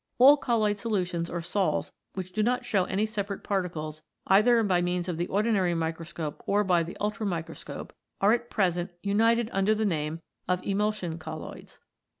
All colloid solutions or sols which do not show any separate particles either by means of the ordinary microscope or by the ultramicroscope, are at present united under the name of Emulsion Colloids.